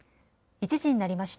１時になりました。